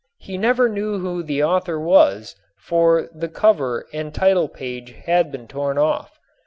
He never knew who the author was, for the cover and title page had been torn off.